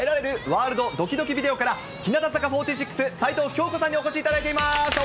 ワールドドキドキビデオから、日向坂４６・齊藤京子さんにお越しいただいています。